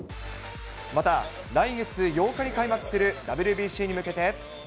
また、来月８日に開幕するＷＢＣに向けて。